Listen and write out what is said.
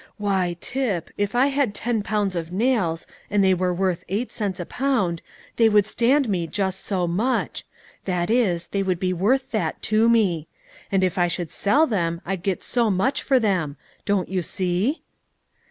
"Why, Tip, if I had ten pounds of nails, and they were worth eight cents a pound, they would stand me just so much, that is, they would be worth that to me; and if I should sell them I'd get so much for them. Don't you see?"